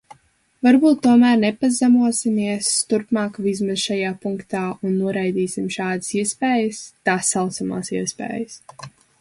Varbūt tomēr nepazemosimies turpmāk vismaz šajā punktā un noraidīsim šādas iespējas, tā saucamās iespējas.